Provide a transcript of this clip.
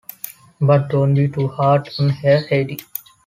But don’t be too hard on her, Heidi.